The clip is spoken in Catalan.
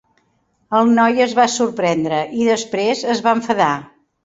El noi es va sorprendre i, després, es va enfadar.